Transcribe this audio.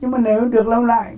nhưng mà nếu được làm lại